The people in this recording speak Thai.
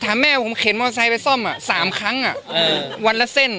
ถามแม่ผมเข็นมอเตอร์ไซค์ไปซ่อมอะ๓ครั้งอะวันละเส้น